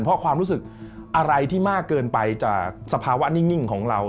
เพราะความรู้สึกอะไรที่มากเกินไปจากสภาวะนิ่งของเรา